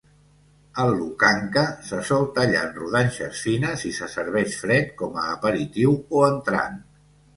El lukanka se sol tallar en rodanxes fines i se serveix fred com a aperitiu o entrant.